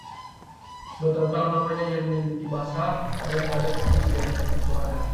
bertahun-tahun lamanya ia menyelidik bahasa dan adat istiadat suku Toraja